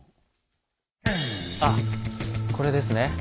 あっこれですね。